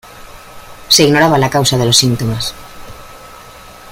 Se ignoraba la causa de los síntomas.